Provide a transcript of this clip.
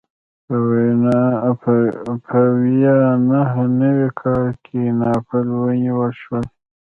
په ویا نهه نوي کال کې ناپل ونیول شو.